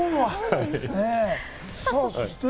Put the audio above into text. そして？